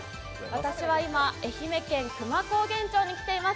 私は今、愛媛県久万高原町に来ています。